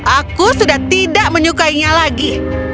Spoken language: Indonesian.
aku sudah tidak menyukainya lagi